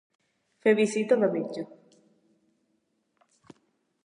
Fer visita de metge.